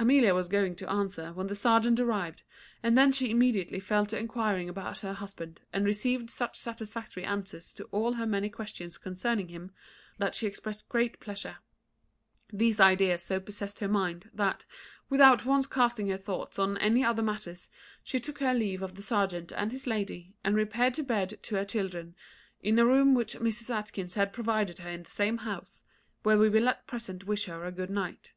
Amelia was going to answer, when the serjeant arrived, and then she immediately fell to enquiring after her husband, and received such satisfactory answers to all her many questions concerning him, that she expressed great pleasure. These ideas so possessed her mind, that, without once casting her thoughts on any other matters, she took her leave of the serjeant and his lady, and repaired to bed to her children, in a room which Mrs. Atkinson had provided her in the same house; where we will at present wish her a good night.